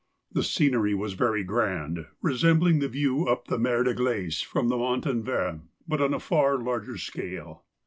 The scenery was very grand, resembling the view up the Mer de Glace from the Montanvert, but on a far larger scale.